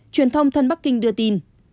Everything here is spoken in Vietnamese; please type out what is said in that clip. truyền thông thân bắc kinh đưa tin